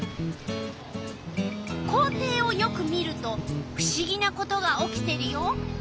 校庭をよく見るとふしぎなことが起きてるよ！